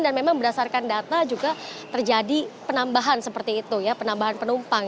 dan memang berdasarkan data juga terjadi penambahan seperti itu ya penambahan penumpang